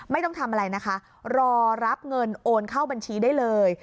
ไม่ต้องทำอะไรนะคะรอรับเงินโอนเข้าบัญชีได้เลย